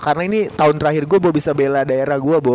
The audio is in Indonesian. karena ini tahun terakhir gue bo bisa bela daerah gue bo